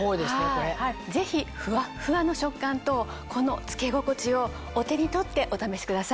ぜひふわっふわの触感とこの着け心地をお手に取ってお試しください。